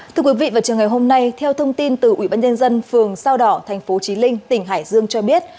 thưa quý vị và trường ngày hôm nay theo thông tin từ ủy ban nhân dân phường sao đỏ tp chí linh tỉnh hải dương cho biết